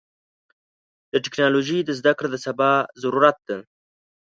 د ټکنالوژۍ زدهکړه د سبا ضرورت ده.